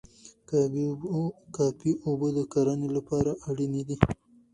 کافي اوبه د کرنې لپاره اړینې دي.